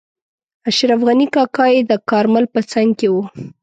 اشرف غني کاکا یې د کارمل په څنګ کې وو.